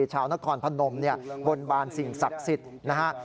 ชาวนครพนมเนี่ยบนบานสิ่งศักดิ์สิทธิ์นะฮะ